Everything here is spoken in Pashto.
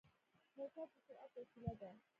موټر د سرعت وسيله ده.